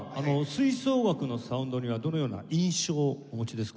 吹奏楽のサウンドにはどのような印象お持ちですか？